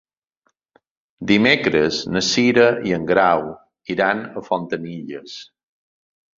Dimecres na Cira i en Grau iran a Fontanilles.